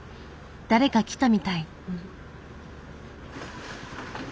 誰か来たみたい。